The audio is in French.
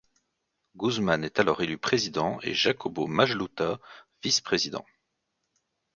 Guzmán est alors élu président et Jacobo Majluta, vice-président.